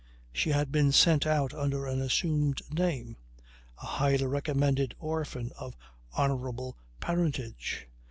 She had been sent out under an assumed name a highly recommended orphan of honourable parentage.